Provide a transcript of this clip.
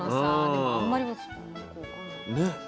でもあんまり私よく分かんない。ね。